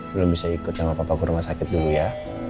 belum bisa ikut sama papa kurma sakit dulu ya